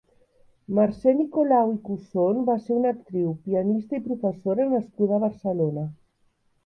Mercè Nicolau i Cosson va ser una actriu, pianista i professora nascuda a Barcelona.